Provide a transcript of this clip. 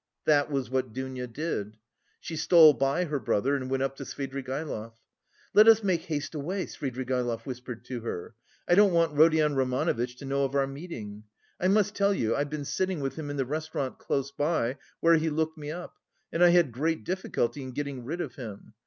That was what Dounia did. She stole by her brother and went up to Svidrigaïlov. "Let us make haste away," Svidrigaïlov whispered to her, "I don't want Rodion Romanovitch to know of our meeting. I must tell you I've been sitting with him in the restaurant close by, where he looked me up and I had great difficulty in getting rid of him.